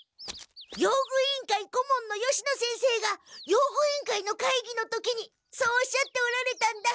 用具委員会こもんの吉野先生が用具委員会の会議の時にそうおっしゃっておられたんだ。